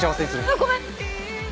あっごめん。